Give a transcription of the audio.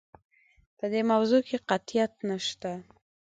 په دې موضوع کې قطعیت نشته.